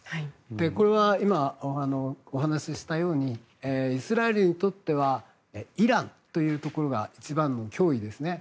これは今、お話ししたようにイスラエルにとってはイランというところが一番の脅威ですね。